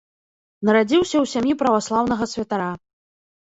Нарадзіўся ў сям'і праваслаўнага святара.